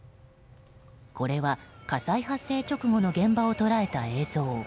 これは、火災発生直後の現場を捉えた映像。